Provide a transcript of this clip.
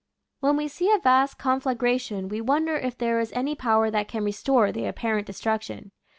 When we see a vast conflagration we won der if there is any power that can restore the apparent destruction.